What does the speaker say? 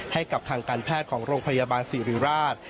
ให้กับทางการแพทย์ของโรงพยาบาลศิริราช